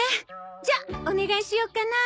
じゃあお願いしようかな。